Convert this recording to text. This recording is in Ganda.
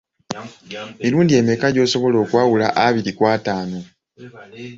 Mirundi emeka gy’osobola okwawula abiri ku ataano?